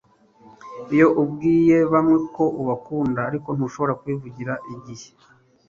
Iyo ubwiye bamwe ko ubakunda ariko ntushobora kubivugira igihe